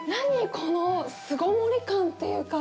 この巣ごもり感というか。